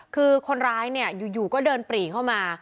คือคนร้ายเนี่ยอยู่ก็เดินปรีเข้ามา